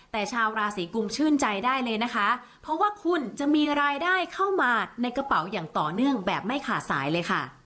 แต่ชาวราศีกุมชื่นใจได้เลยนะคะเพราะว่าคุณจะมีรายได้เข้ามาในกระเป๋าอย่างต่อเนื่องแบบไม่ขาดสายเลยค่ะ